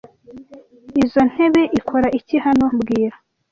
Izoi ntebe ikora iki hano mbwira